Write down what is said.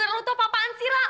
aduh lu tuh apa apaan sih rah